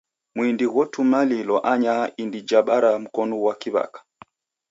Mwindi ghotumalilwa anyaha indi ja bara mkonu ghwa kiw'aka.